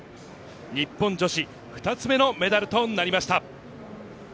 日本女子２つ目のメダルとなりました。